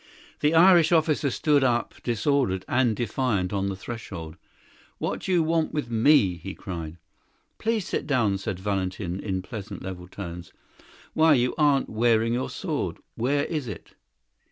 The Irish officer stood up disordered and defiant on the threshold. "What do you want with me?" he cried. "Please sit down," said Valentin in pleasant, level tones. "Why, you aren't wearing your sword. Where is it?"